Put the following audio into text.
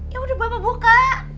ya udah bapak buka